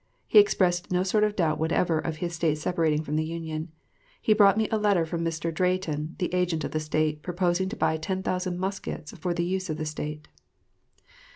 He expressed no sort of doubt whatever of his State separating from the Union. He brought me a letter from Mr. Drayton, the agent of the State, proposing to buy ten thousand muskets for the use of the State....